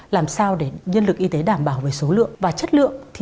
làm sao để nhân lực y tế đảm bảo về số lượng và chất lượng